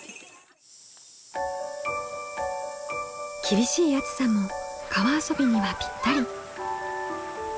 厳しい暑さも川遊びにはぴったり。